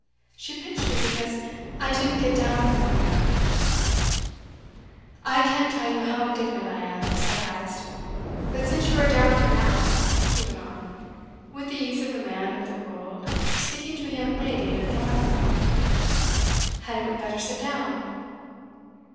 "She pinched me because I didn't get down here quick enough " "I can't tell you how indignant I am " said Heyst. "But since you are down here now," he went on, with the ease of a man of the world speaking to a young lady in a drawing room, "hadn't we better sit down?"